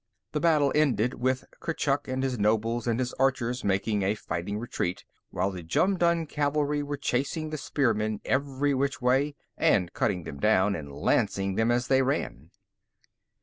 The battle ended with Kurchuk and his nobles and his archers making a fighting retreat, while the Jumdun cavalry were chasing the spearmen every which way and cutting them down or lancing them as they ran.